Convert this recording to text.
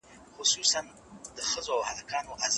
موږ به د وروسته پاته والي عوامل له منځه یوسو.